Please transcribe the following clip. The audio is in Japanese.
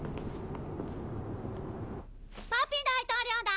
パピ大統領だ！